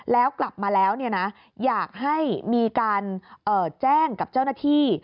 แล้วกลับมาแล้วอยากให้มีการแจ้งกับเจ้าหน้าที่